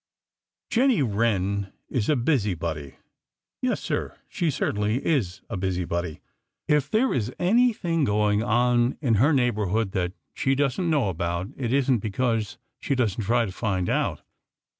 Jenny Wren is a busybody. Yes, Sir, she certainly is a busybody. If there is anything going on in her neighborhood that she doesn't know about, it isn't because she doesn't try to find out.